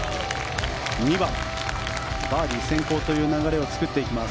２番、バーディー先行という流れを作っていきます。